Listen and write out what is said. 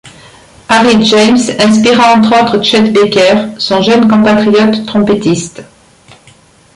Harry James inspira entre autres Chet Baker, son jeune compatriote trompettiste.